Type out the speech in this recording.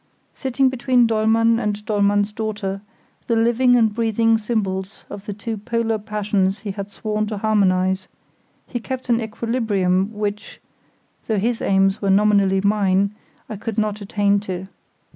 Sitting between Dollmann and Dollmann's daughter, the living and breathing symbols of the two polar passions he had sworn to harmonise, he kept an equilibrium which, though his aims were nominally mine, I could not attain to.